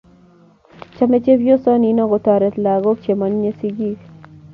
Chomei chepyosoo nino kotoret lakok che moyinye sikiik.